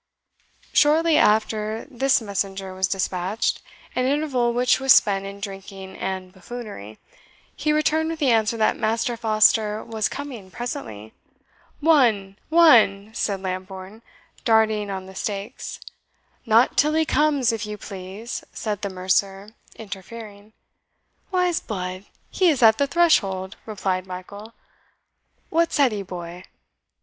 Shortly after this messenger was dispatched an interval which was spent in drinking and buffoonery he returned with the answer that Master Foster was coming presently. "Won, won!" said Lambourne, darting on the stakes. "Not till he comes, if you please," said the mercer, interfering. "Why, 'sblood, he is at the threshold," replied Michael. "What said he, boy?"